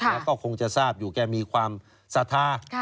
แล้วก็คงจะทราบอยู่แกมีความศรัทธา